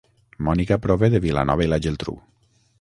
Mònica prové de Vilanova i la Geltrú